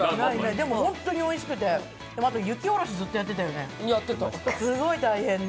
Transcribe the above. でもホントにおいしくて雪下ろしずっとやってたよね、すごい大変で。